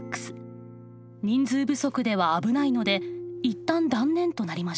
人数不足では危ないのでいったん断念となりました。